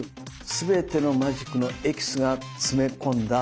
全てのマジックのエキスが詰め込んだ。